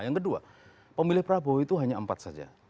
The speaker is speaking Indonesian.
yang kedua pemilih prabowo itu hanya empat saja